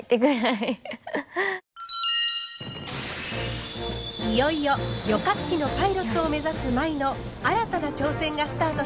いよいよ旅客機のパイロットを目指す舞の新たな挑戦がスタートします。